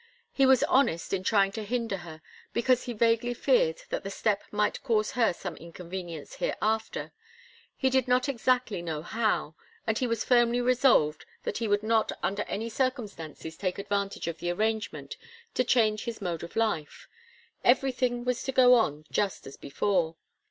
He was honest in trying to hinder her, because he vaguely feared that the step might cause her some inconvenience hereafter he did not exactly know how, and he was firmly resolved that he would not under any circumstances take advantage of the arrangement to change his mode of life. Everything was to go on just as before.